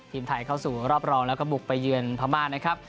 ทีมไทยเข้าสู่รอบรองแล้วก็บุกไปเยือนพม่านะครับ